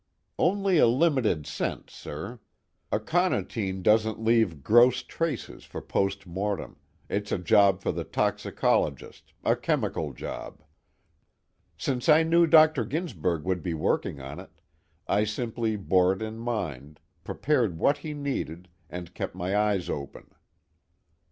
"Only in a limited sense, sir. Aconitine doesn't leave gross traces for post mortem, it's a job for the toxicologist, a chemical job. Since I knew Dr. Ginsberg would be working on it, I simply bore it in mind, prepared what he needed, and kept my eyes open.